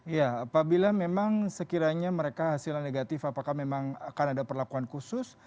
ya apabila memang sekiranya mereka hasilnya negatif apakah memang akan ada perlakuan khusus